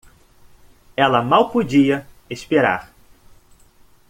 Ela mal podia esperar